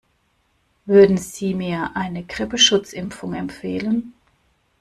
Würden Sie mir eine Grippeschutzimpfung empfehlen?